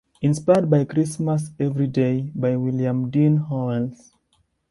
Inspired by "Christmas Every Day" by William Dean Howells.